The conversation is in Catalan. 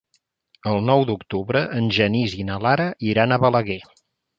El nou d'octubre en Genís i na Lara iran a Balaguer.